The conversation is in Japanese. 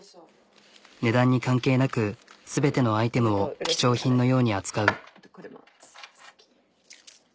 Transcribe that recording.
値段に関係なく全てのアイテムを貴重品のように扱う。